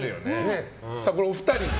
これ、お二人に。